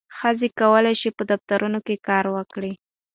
ښځې کولی شي په دفترونو کې کار وکړي.